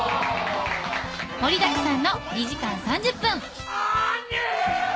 ・盛りだくさんの２時間３０分なに！